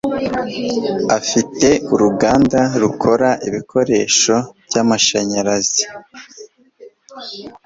Afite uruganda rukora ibikoresho byamashanyarazi.